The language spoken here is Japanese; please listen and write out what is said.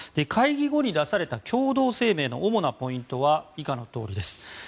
会議後に出された共同声明の主なポイントは以下のとおりです。